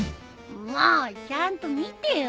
もうちゃんと見てよ。